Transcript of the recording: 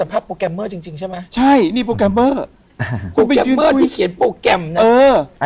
โปรแกรมเบอร์โปรแกรมเบอร์ที่เขียนโปรแกรมนั้น